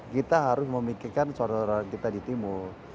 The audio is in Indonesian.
kita harus memikirkan suatu orang kita di timur